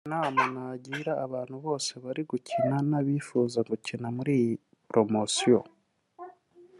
Inama nagira abantu bose bari gukina n’abifuza gukina muri iyi poromosiyo